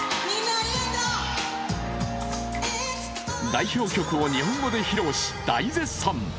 代表曲を日本語で披露し大絶賛。